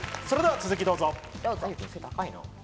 それでは続きをどうぞ。